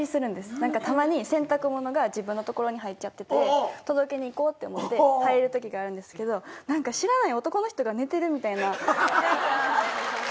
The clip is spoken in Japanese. たまに洗濯物が自分のところに入っちゃってて届けにいこうって思って入るときがあるんですけど知らない男の人が寝てるみたいな何か。